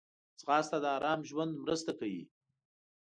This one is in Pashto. ځغاسته د آرام ژوند مرسته کوي